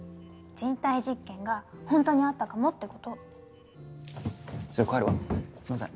人体実験がホントにあったかもってこと帰るわすいません